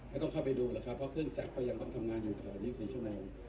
แก้ต้องเข้าไปดูละครับเพราะเครื่องแจกก็ยังต้องทำงานอยู่เท่าไหน